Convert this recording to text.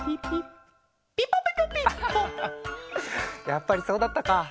やっぱりそうだったか！